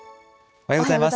おはようございます。